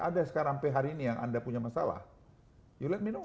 ada sekarang sampai hari ini yang anda punya masalah you let me know